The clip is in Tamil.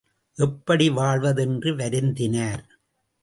எப்படி வாழ்வது என்று வருந்தினார்.